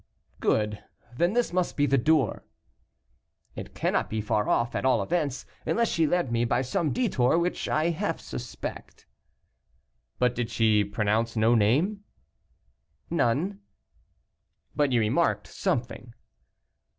"Good; then this must be the door." "It cannot be far off, at all events, unless she led me by some detour, which I half suspect." "But did she pronounce no name?" "None." "But you remarked something?"